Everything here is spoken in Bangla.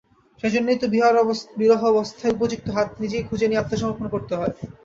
সেইজন্যেই তো বিরহাবস্থায় উপযুক্ত হাত নিজেই খুঁজে নিয়ে আত্মসমর্পণ করতে হয়।